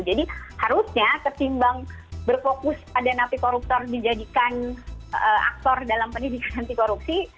jadi harusnya ketimbang berfokus pada napi koruptor dijadikan aktor dalam pendidikan anti korupsi